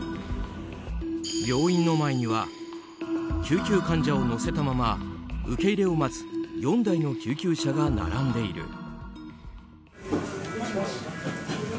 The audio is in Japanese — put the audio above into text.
病院の前には救急患者を乗せたまま受け入れを待つ４台の救急車が並んでいる。